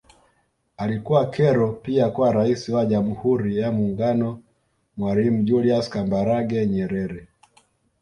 Alikuwa kero pia kwa Rais wa Jamhuri ya Muungano Mwalimu Julius Kambarage Nyerere